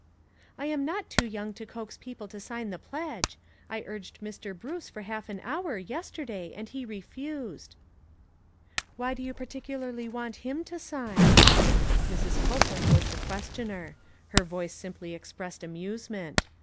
"I'm not too young to coax people to sign the pledge. I urged Mr. Bruce for half an hour, yesterday, and he refused." "Why did you particularly want him to sign?" Mrs. Copeland was the questioner. Her voice simply expressed amusement.